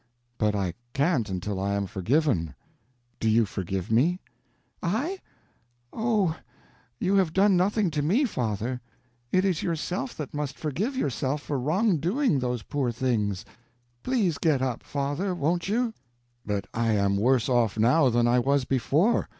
"But I can't until I am forgiven. Do you forgive me?" "I? Oh, you have done nothing to me, father; it is yourself that must forgive yourself for wronging those poor things. Please get up, father, won't you?" "But I am worse off now than I was before.